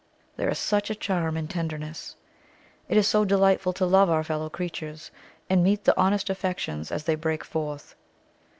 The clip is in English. There is such a charm in tenderness! It is so delightful to love our fellow creatures, and meet the honest affections as they break forth.